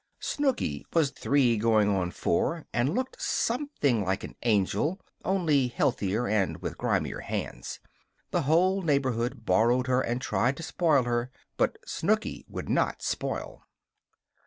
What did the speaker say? Snooky was three going on four, and looked something like an angel only healthier and with grimier hands. The whole neighborhood borrowed her and tried to spoil her; but Snooky would not spoil.